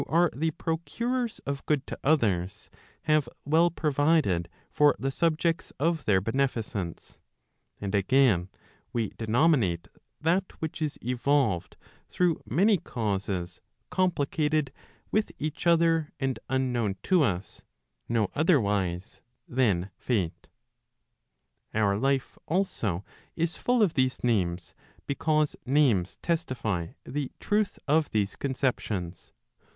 447 are the procurers of good to others, have well provided for the subjects of their beneficence; and again, we denominate that which is evolved through many causes complicated with each other and unknown to us, no otherwise than Fate. Our life also is full of these names, because names testify the truth of these conceptions.